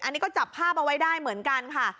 อันนี้ก็จับภาพเอาไว้ได้เหมือนกันค่ะ